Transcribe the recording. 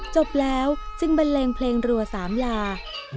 จบแล้วจึงบันเลงเพลงรัวสามลา